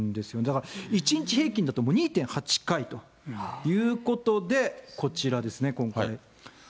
だから、１日平均だと２．８回ということで、こちらですね、今回。